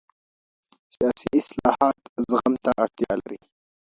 سیاسي اصلاحات زغم ته اړتیا لري